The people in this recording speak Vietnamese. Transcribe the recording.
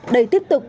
đây tiếp tục